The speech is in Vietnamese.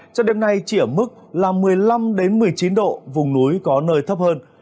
cho đêm nay chỉ ở mức một mươi năm một mươi chín độ vùng núi có nơi thấp hơn